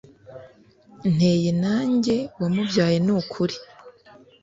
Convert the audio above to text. nteye nanjye wamubyaye nukuri